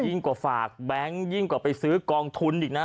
กว่าฝากแบงค์ยิ่งกว่าไปซื้อกองทุนอีกนะ